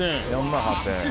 ４万８，０００円。